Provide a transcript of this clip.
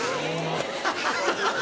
ハハハハ。